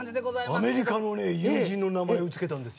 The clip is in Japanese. アメリカの友人の名前を付けたんです。